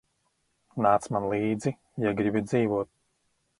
Nāc man līdzi, ja gribi dzīvot.